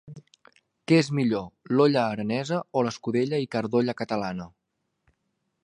Què és millor, l'olla aranesa o l'escudella i carn d'olla catalana?